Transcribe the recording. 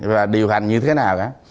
và điều hành như thế nào cả